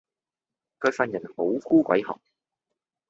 佢份人好孤鬼寒